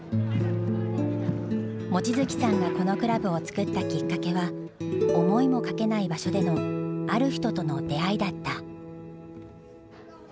望月さんがこのクラブを作ったきっかけは思いもかけない場所での“ある人”との出会いだった。